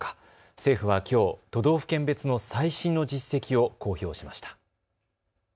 政府はきょう都道府県別の最新の実績を公表しました。